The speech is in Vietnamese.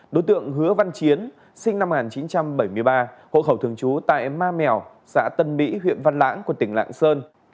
đối tượng hứa văn chiến sinh năm một nghìn chín trăm bảy mươi ba hộ khẩu thường trú tại ma mèo xã tân mỹ huyện văn lãng của tỉnh lạng sơn